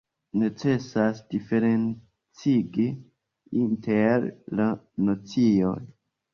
Necesas diferencigi inter la nocioj.